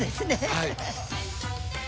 はい。